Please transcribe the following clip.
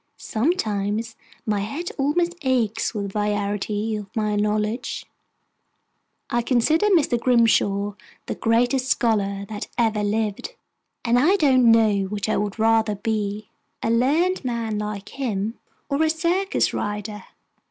Sometimes my head almost aches with the variety of my knowledge. I consider Mr. Grimshaw the greatest scholar that ever lived, and I don't know which I would rather be a learned man like him, or a circus rider.